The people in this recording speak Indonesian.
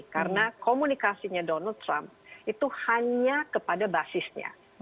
karena komunikasinya donald trump itu hanya kepada basisnya